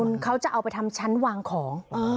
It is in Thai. คุณเขาจะเอาไปทำชั้นวางของ